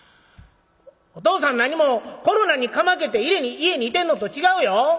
「お父さん何もコロナにかまけて家に居てんのと違うよ！